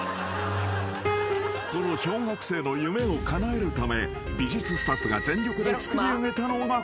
［この小学生の夢をかなえるため美術スタッフが全力で作りあげたのがこれ］